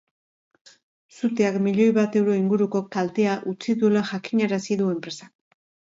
Suteak milioi bat euro inguruko kaltea utzi duela jakinarazi du enpresak.